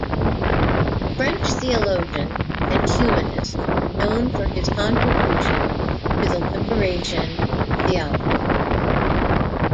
French theologian and humanist known for his contribution to the liberation theology.